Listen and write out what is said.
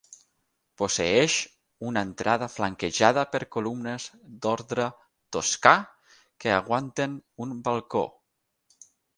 Posseeix una entrada flanquejada per columnes d'ordre toscà que aguanten un balcó.